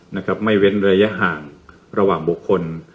นะครับไม่เว้นระยะห่างระหว่างบุคคล